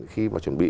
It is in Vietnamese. khi mà chuẩn bị